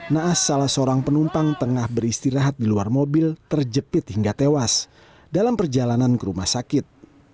naas salah seorang penumpang tengah beristirahat di luar mobil terjepit hingga tewas dalam perjalanan ke rumah sakit